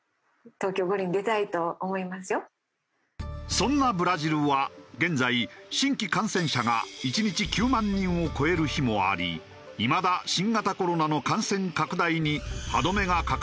そんなブラジルは現在新規感染者が１日９万人を超える日もありいまだ新型コロナの感染拡大に歯止めがかからない状態。